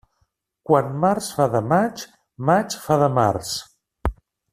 Quan març fa de maig, maig fa de març.